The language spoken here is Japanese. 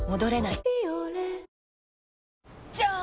じゃーん！